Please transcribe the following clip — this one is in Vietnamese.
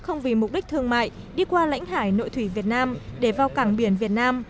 không vì mục đích thương mại đi qua lãnh hải nội thủy việt nam để vào cảng biển việt nam